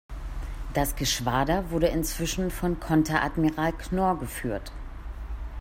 Das Geschwader wurde inzwischen von Konteradmiral Knorr geführt.